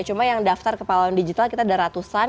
cuma yang daftar ke pahlawan digital kita ada ratusan